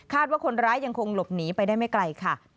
ว่าคนร้ายยังคงหลบหนีไปได้ไม่ไกลค่ะ